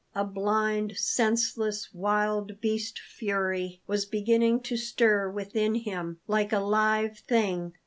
A blind, senseless, wild beast fury was beginning to stir within him like a live thing.